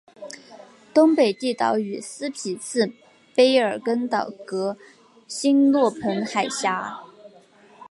东北地岛与斯匹次卑尔根岛隔欣洛彭海峡。